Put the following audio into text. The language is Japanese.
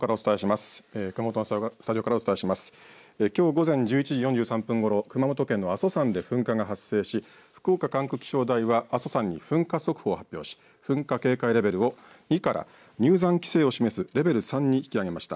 きょう午前１１時４３分ごろ、熊本県の阿蘇山で噴火が発生し福岡管区気象台は阿蘇山に噴火速報を発表し、噴火警戒レベルを２から入山規制を示すレベル３に引き上げました。